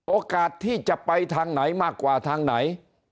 โอกาสที่จะไปทางไหนมากกว่าทางไหน